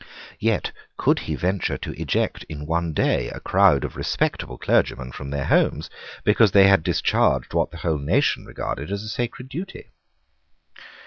Yet could he venture to eject in one day a crowd of respectable clergymen from their homes, because they had discharged what the whole nation regarded as a sacred duty?